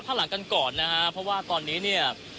คุณทัศนาควดทองเลยค่ะ